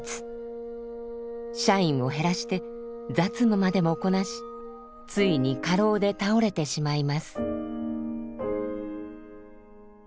社員を減らして雑務までもこなしついに過労で倒れてしまいます。